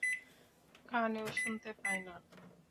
কানেও শুনতে পায় না।